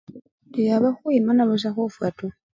Indi abakhuyimana busa khufwa tu!